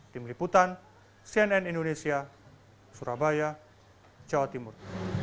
tim liputan cnn indonesia surabaya jawa timur